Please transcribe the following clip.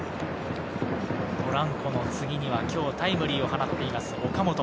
ポランコの次には今日タイムリーを放っています岡本。